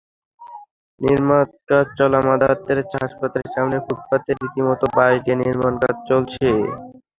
নির্মাণকাজ চলা Mother Teresa হাসপাতালের সামনের ফুটপাতে রীতিমতো বাঁশ দিয়ে নির্মাণকাজ চলছে।